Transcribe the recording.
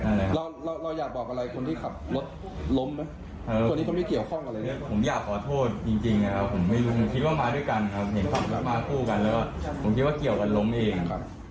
เห็นขับรถมาคู่กันแล้วผมคิดว่าเกี่ยวกันล้มเอง